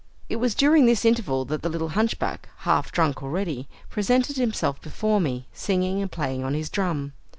"It was during this interval that the little hunchback, half drunk already, presented himself before me, singing and playing on his drum.